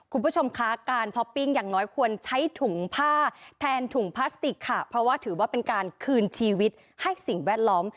คุณผู้ชมคะการช้อปปิ้งอย่างน้อยควรใช้ถุงผ้าแทนถุงพลาสติกค่ะเพราะว่าถือว่าเป็นการคืนชีวิตให้สิ่งแวดล้อม